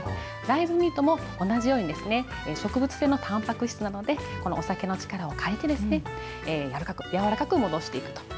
大豆ミートも同じように植物性のたんぱく質なので、このお酒の力を借りて、柔らかく戻していくと。